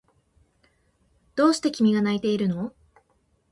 どうして君が泣いているの？